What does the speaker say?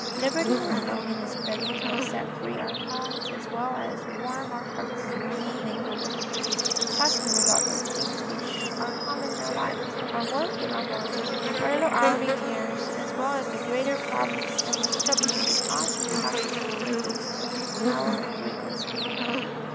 Liberty when alone in His presence will set free our tongues as well as warm our hearts when we mingle with others. Talk to Him about those things which are common in our lives — our work, our worries, our little hourly cares as well as the greater problems, and we shall be able to talk, and talk to some purpose, of His power and greatness and love."